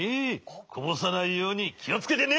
こぼさないようにきをつけてね。